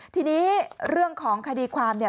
ทีนี้เรื่องของคดีความเนี่ย